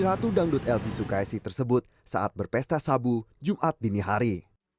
ratu dangdut l p sukaisi tersebut saat berpesta sabu jumat dinihari